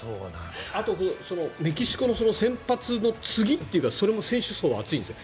あとメキシコの先発の次というかそれも選手層は厚いんですか？